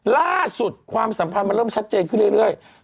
ล่าสุดความสัมพันธ์มันเริ่มชัดเจนขึ้นเรื่อย